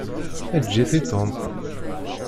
Eǧǧ-it i Tom.